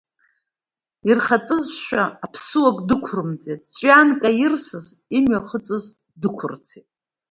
Ирхатәызшәа, аԥсыуак дықәрымҵеит, ҵәҩанк аирсырц имҩахыҵыз дықәырцеит.